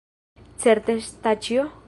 Certe, Staĉjo?